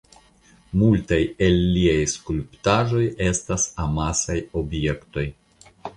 Multaj el liaj skulptaĵoj estas amasaj objektoj.